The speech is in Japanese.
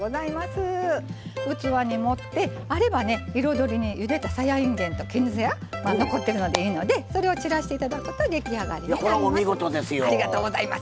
器に盛って、あれば彩りに、ゆでたさやいんげんと絹さや残ってるのでいいのでそれを散らしていただくと出来上がりでございます。